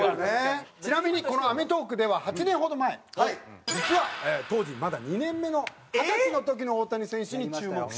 ちなみにこの『アメトーーク』では８年ほど前実は当時まだ２年目の二十歳の時の大谷選手に注目してました。